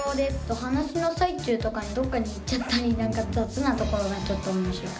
話の最中とかにどっかに行っちゃったり何か雑なところがちょっと面白かった。